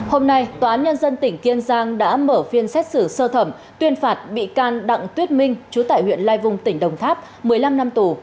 hôm nay tòa án nhân dân tỉnh kiên giang đã mở phiên xét xử sơ thẩm tuyên phạt bị can đặng tuyết minh chú tại huyện lai vung tỉnh đồng tháp một mươi năm năm tù